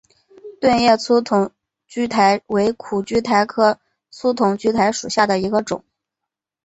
盾叶粗筒苣苔为苦苣苔科粗筒苣苔属下的一个种。